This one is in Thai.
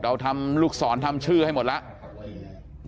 เราทำลูกศรทำชื่อให้หมดแล้ว